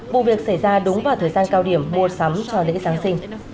vụ việc xảy ra đúng vào thời gian cao điểm mua sắm cho lễ giáng sinh